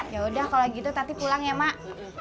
yaudah kalau gitu tati pulang ya mak